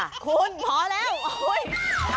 ถ้าคุณว่าอย่าลืมมือสุดเหมือนกัน